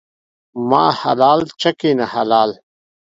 ما حلال ، چکي نه حلال.